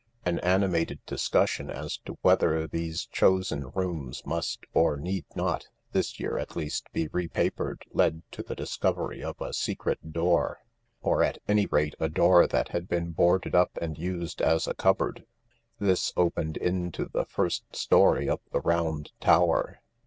An animated discussion as to whether these chosen rooms must, or need not, this year at least, be re papered led to the 182 THE LARK discovery of a secret door, or at any rate a door that had been boarded up and used as a cupboard. This opened into the first storey of the round tower.